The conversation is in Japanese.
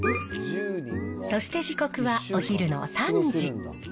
そして時刻はお昼の３時。